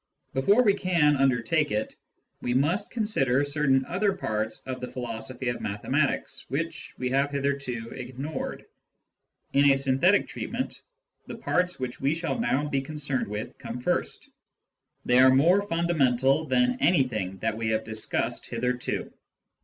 Before we can undertake it, we must consider certain other parts of the philos ophy of mathematics, which we have hitherto ignored. In a synthetic treatment, the parts which we shall now be concerned with come first : they are more fundamental than anything that we have discussed hitherto.